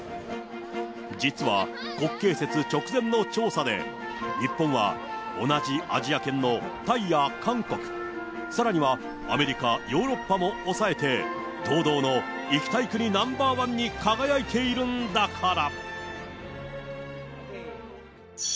実は、国慶節直前の調査で、日本は同じアジア圏のタイや韓国、さらにはアメリカ、ヨーロッパも抑えて、堂々の行きたい国ナンバー１に輝いているんだから。